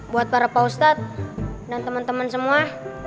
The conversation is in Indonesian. buat para pak ustadz dan teman teman semua